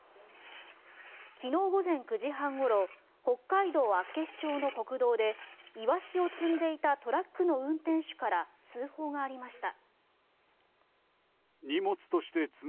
昨日午前９時半ごろ北海道厚岸町の国道でイワシを積んでいたトラックの運転手から通報がありました。